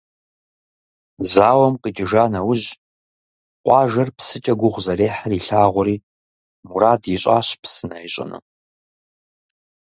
Зауэм къикӏыжа нэужь, къуажэр псыкӏэ гугъу зэрехьыр илъагъури, мурад ищӏащ псынэ ищӏыну.